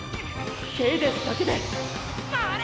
ケイデンスだけで回れ！